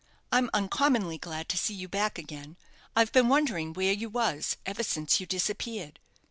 I'm uncommonly glad to see you back again. I've been wondering where you was ever since you disappeared."